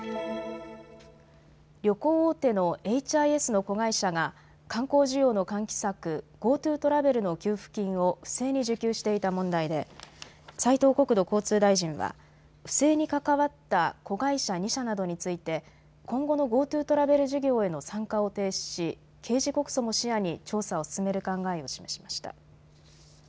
旅行大手のエイチ・アイ・エスの子会社が観光需要の喚起策、ＧｏＴｏトラベルの給付金を不正に受給していた問題で斉藤国土交通大臣は不正に関わった子会社２社などについて今後のＧｏＴｏトラベル事業への参加を停止し刑事告訴も視野に調査を進める考えを示しました。